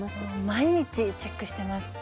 毎日チェックしてます。